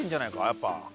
やっぱ。